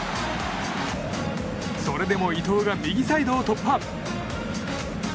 それでも伊東が右サイドを突破。